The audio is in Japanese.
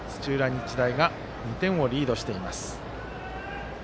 日大が２点をリードしています。